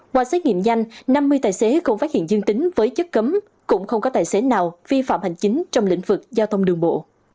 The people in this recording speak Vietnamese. qua xét nghiệm nhanh năm mươi tài xế cũng phát hiện dương tính với chất cấm cũng không có tài xế nào vi phạm hành chính trong lĩnh vực giao thông đường bộ